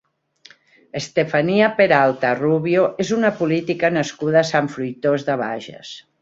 Estefanía Peralta Rubio és una política nascuda a Sant Fruitós de Bages.